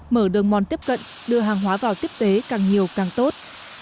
mở đường mòn tiếp cận đưa hàng hóa vào tiếp tế càng nhiều càng tốt